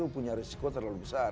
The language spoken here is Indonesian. dan itu punya risiko terlalu besar kan